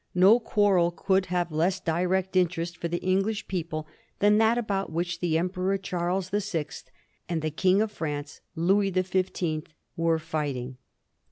No quarrel could have less direct interest for the English people than that about which the Emperor Charles the Sixth and the King of France, Louis the Fifteenth, were fighting.